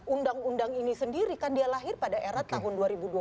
undang undang ini sendiri kan dia lahir pada era tahun dua ribu dua belas